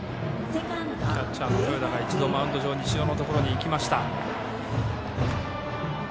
キャッチャーの豊田がマウンド上の西尾のところに行きました。